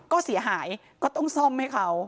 ก็เสียหายก็ต้องซ่อมให้เขา